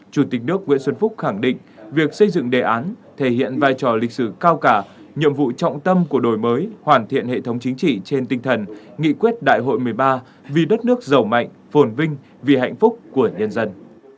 chủ tịch nước nguyễn xuân phúc khẳng định việc xây dựng đề án thể hiện vai trò lịch sử cao cả nhiệm vụ trọng tâm của đổi mới hoàn thiện hệ thống chính trị trên tinh thần nghị quyết đại hội một mươi ba vì đất nước giàu mạnh phồn vinh vì hạnh phúc của nhân dân